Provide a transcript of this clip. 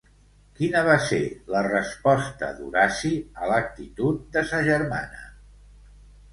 Quina va ser la resposta d'Horaci a l'actitud de sa germana?